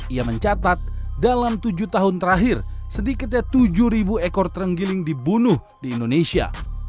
ia mencatat dalam tujuh tahun terakhir sedikitnya tujuh ekor terenggiling dibunuh di indonesia